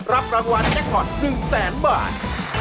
รับรางวัลแจ็คพอต๑๐๐๐๐๐บาท